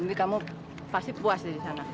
tapi kamu pasti puas dari sana